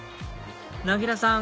なぎらさん